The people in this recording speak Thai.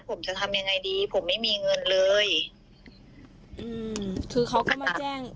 ผมจะทำยังไงดีผมไม่มีเงินเลยอืมคือเขาก็จะแจ้ง